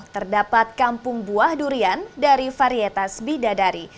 terdapat kampung buah durian dari varietas bidadari